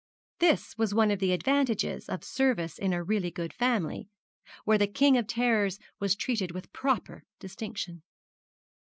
This was one of the advantages of service in a really good family, where the King of Terrors was treated with proper distinction.